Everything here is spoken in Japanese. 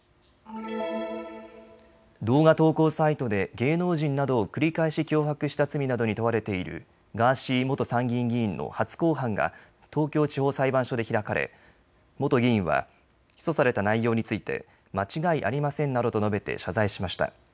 動画投稿サイトで芸能人などを繰り返し脅迫した罪などに問われているガーシー元参議院議員の初公判が東京地方裁判所で開かれ元議員は起訴された内容について間違いありませんなどと述べて謝罪しました。